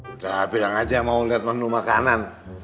udah bilang aja mau lihat menu makanan